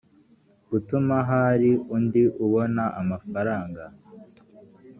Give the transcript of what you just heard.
gutuma hari undi ubona amafaranga